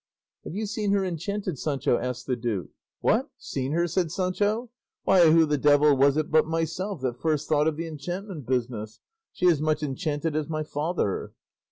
"Have you seen her enchanted, Sancho?" asked the duke. "What, seen her!" said Sancho; "why, who the devil was it but myself that first thought of the enchantment business? She is as much enchanted as my father."